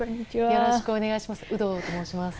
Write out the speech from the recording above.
よろしくお願いします。